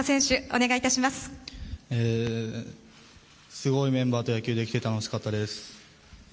すごいメンバーと野球できて楽しかったです。